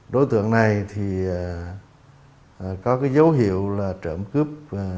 đối tượng này thì có cái dấu hiệu là trộm cướp